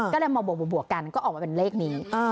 ก็เลยมาบวกกันก็ออกมาเป็นเลขนี้